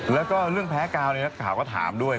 แล้วก็เรื่องแพ้กาวนักข่าวก็ถามด้วย